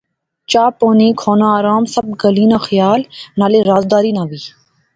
چاء پانی، کھانا آرام۔۔۔ سب گلیں ناں خیال۔ نالے رازداری ناں وی